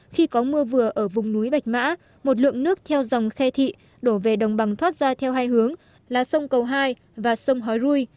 khi có mưa vừa ở vùng núi bạch mã một lượng nước theo dòng khe thị đổ về đồng bằng thoát ra theo hai hướng là sông cầu hai và sông hói ru